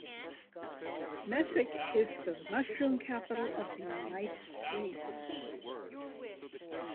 Mesick is the Mushroom Capital of the United States.